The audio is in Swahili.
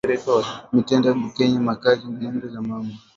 Mitenda banyekeye makari ku jembe ya mama nayo